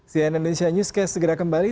cnn indonesia newscast segera kembali